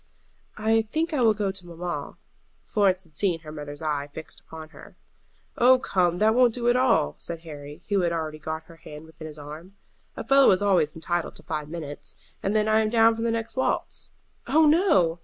"I think I will go to mamma." Florence had seen her mother's eye fixed upon her. "Oh, come, that won't do at all," said Harry, who had already got her hand within his arm. "A fellow is always entitled to five minutes, and then I am down for the next waltz." "Oh no!"